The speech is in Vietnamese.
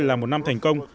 là một năm thành công